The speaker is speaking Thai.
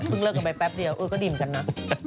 เพิ่งเลิกกันไปแป๊บเดียวเออก็ดิ่มกันนะ